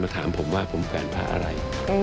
ก็เดินมาถามผมว่าผมแขวนภาคอะไร